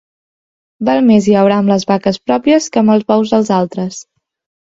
Val més llaurar amb les vaques pròpies que amb els bous dels altres.